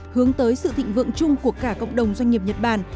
hướng tới sự thịnh vượng chung của cả cộng đồng doanh nghiệp nhật bản